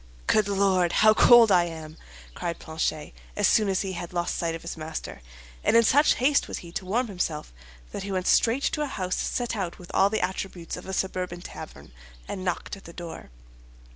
"Good Lord, how cold I am!" cried Planchet, as soon as he had lost sight of his master; and in such haste was he to warm himself that he went straight to a house set out with all the attributes of a suburban tavern, and knocked at the door.